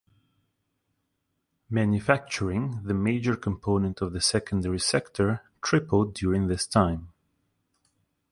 Manufacturing, the major component of the secondary sector, tripled during this time.